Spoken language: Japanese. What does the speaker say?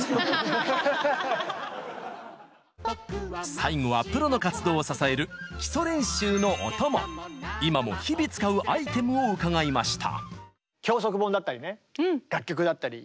最後はプロの活動を支える今も日々使うアイテムを伺いました。